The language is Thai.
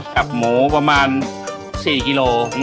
กับหมูประมาณ๔กิโล